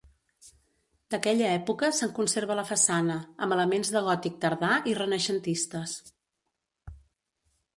D'aquella època se'n conserva la façana, amb elements de gòtic tardà i renaixentistes.